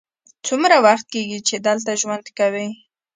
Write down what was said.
څومره وخت کیږی چې دلته ژوند کوې؟